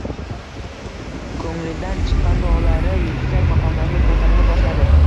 Ko'nglidan chiqqan duolari yuksak maqomlarga ko'tarila boshladi.